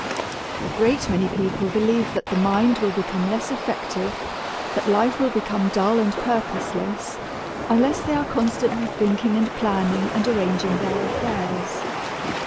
A great many people believe that the mind will become less effective, that life will become dull and purposeless, unless they are constantly thinking and planning and arranging their affairs.